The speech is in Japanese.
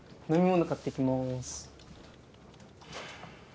飲み物買ってきます。